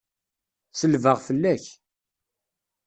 Selbeɣ fell-ak.